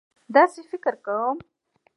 داسې فکر کوم.